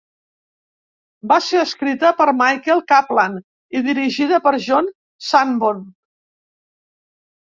Va ser escrita per Michael Kaplan i dirigida per John Sanborn.